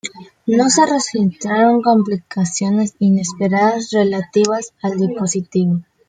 No se registraron complicaciones inesperadas relativas al dispositivo.